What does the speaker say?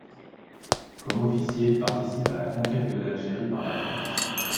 Comme officier il participe à la Conquête de l'Algérie par la France.